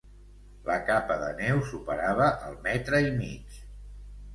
La capa de neu superava el metre i mig.